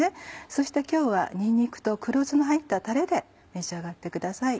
そして今日はにんにくと黒酢の入ったたれで召し上がってください。